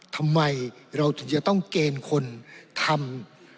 ทำไมเราถึงจะต้องเกณฑ์คนทำ